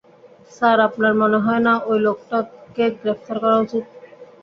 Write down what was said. Sir, আপনার মনে হয় না ওই লোকটা কে গ্রেফতার করা উচিত।